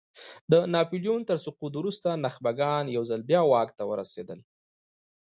د ناپیلیون تر سقوط وروسته نخبګان یو ځل بیا واک ته ورسېدل.